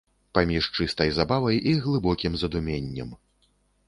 Паміж чыстай забавай і глыбокім задуменнем.